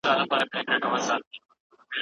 سوداګر هم باید دې ټکو ته پام وکړي.